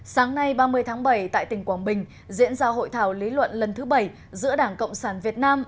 sáng nay ba mươi tháng bảy tại tỉnh quảng bình diễn ra hội thảo lý luận lần thứ bảy giữa đảng cộng sản việt nam